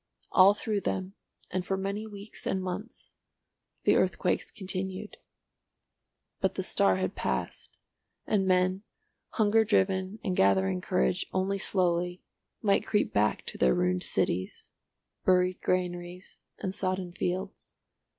All through them, and for many weeks and months, the earthquakes continued. But the star had passed, and men, hunger driven and gathering courage only slowly, might creep back to their ruined cities, buried granaries, and sodden fields.